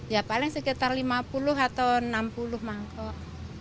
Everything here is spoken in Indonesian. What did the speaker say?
ya paling sekitar lima puluh atau enam puluh mangkok